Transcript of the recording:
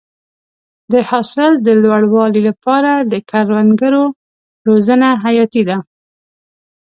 د حاصل د لوړوالي لپاره د کروندګرو روزنه حیاتي ده.